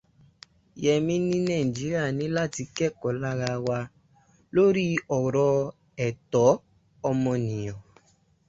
Fẹ́mi ní Nàíjíríà ní láti kẹ́kọ̀ọ́ lára wa lóri ọ̀rọ̀ ẹ̀tọ́ ọmọnìyàn.